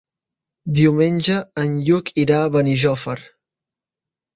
Diumenge en Lluc irà a Benijòfar.